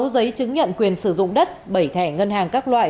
sáu giấy chứng nhận quyền sử dụng đất bảy thẻ ngân hàng các loại